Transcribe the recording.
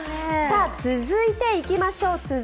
続いていきましょう。